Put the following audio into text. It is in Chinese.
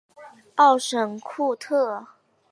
沃什库特。